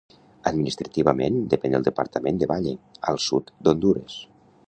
Administrativament, depén del departament de Valle, al sud d'Hondures.